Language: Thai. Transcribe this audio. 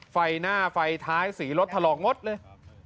ไฟหน้าไฟท้ายสีรถถลอกหมดเลย